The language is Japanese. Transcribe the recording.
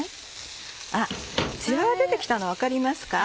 あっ艶が出て来たの分かりますか？